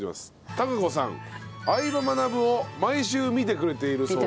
孝子さん『相葉マナブ』を毎週見てくれているそうです。